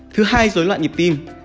thứ hai dối loạn nhịp tim